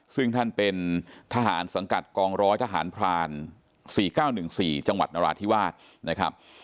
ซึ่งท่านเป็นทหารสังกัดกองร้อยทหารพราน๔๙๑๔จังหวัดนราธิวาสนะครับ